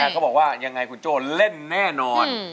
เขาบอกว่ายังไงคุณโจ้เล่นแน่นอน